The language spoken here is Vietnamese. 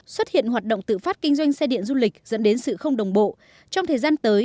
xuất hiện hoạt động tự phát kinh doanh xe điện du lịch dẫn đến sự không đồng bộ trong thời gian tới